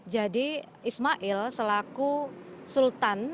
jadi ismail selaku sultan